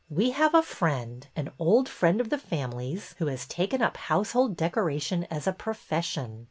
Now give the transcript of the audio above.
We have a friend, an old friend of the family's, who has taken up household decoration as a profession.